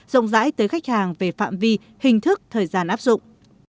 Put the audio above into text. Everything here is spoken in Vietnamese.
rộng rãi tới khách hàng về phạm vi hình thức thời gian áp dụng